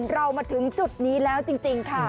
เรามาถึงจุดนี้แล้วจริงค่ะ